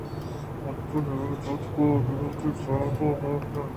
انچوش درا بوت کہ آدل ءَ وت شرمندگ ءُ ملامت اِنت